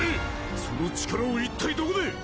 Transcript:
その力を一体どこで！